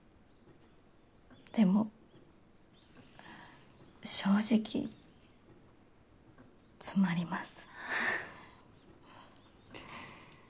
でも正直詰まります。